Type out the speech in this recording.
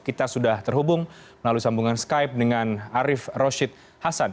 kita sudah terhubung melalui sambungan skype dengan arief roshid hasan